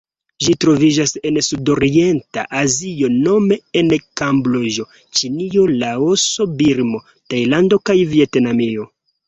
Ĝi troviĝas en Sudorienta Azio nome en Kamboĝo, Ĉinio, Laoso, Birmo, Tajlando kaj Vjetnamio.